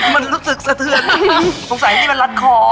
มันรู้สึกเสือดคงใส่ที่มันรัดคอ